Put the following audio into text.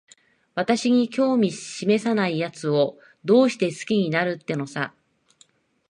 私に興味しめさないやつを、どうして好きになるってのさ。